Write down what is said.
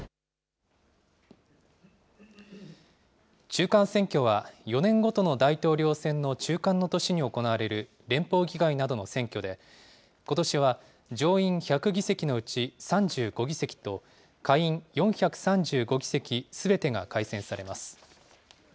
中間選挙は、４年ごとの大統領選の中間の年に行われる連邦議会などの選挙で、ことしは上院１００議席のうち３５議席と、下院４３５議席すべてが改選されます。